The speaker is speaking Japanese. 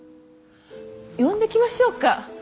呼んできましょうか？